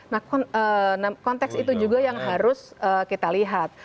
nah konteks itu juga yang harus kita lihat